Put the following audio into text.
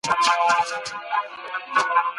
لویه جرګه کي د ګاونډیو هیوادونو لاسوهنه ولي غندل کیږي؟